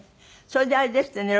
それであれですってね。